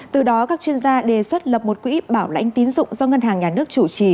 từ đó các chuyên gia đề xuất lập một quỹ bảo lãnh tín dụng do ngân hàng nhà nước chủ trì